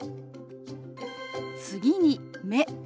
次に「目」。